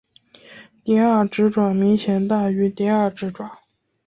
第二指爪明显大于第二指爪。